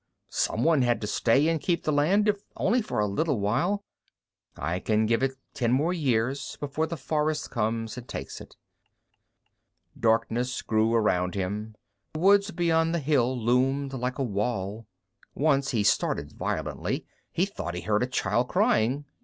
Someone had to stay and keep the land, if only for a little while. I can give it ten more years before the forest comes and takes it._ Darkness grew around him. The woods beyond the hill loomed like a wall. Once he started violently, he thought he heard a child crying.